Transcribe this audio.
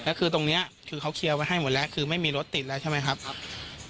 แล้วคือตรงเนี้ยคือเขาเคลียร์ไว้ให้หมดแล้วคือไม่มีรถติดแล้วใช่ไหมครับ